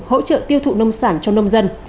hỗ trợ tiêu thụ nông sản cho nông dân